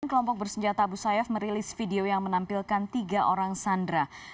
kelompok bersenjata abu sayyaf merilis video yang menampilkan tiga orang sandra